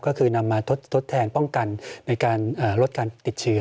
ก็คือนำมาทดแทนป้องกันในการลดการติดเชื้อ